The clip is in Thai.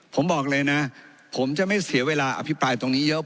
ผมบอกเลยนะผมจะไม่เสียเวลาอภิปรายตรงนี้เยอะ